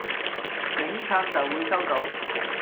警察就會收到